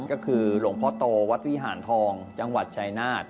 ก็คือหลวงพ่อโตวัดวิหารทองจังหวัดชายนาฏ